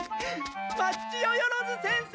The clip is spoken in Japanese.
松千代万先生！